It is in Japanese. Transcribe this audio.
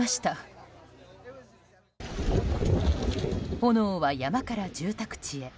炎は山から住宅地へ。